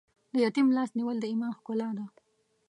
د یتیم لاس نیول د ایمان ښکلا ده.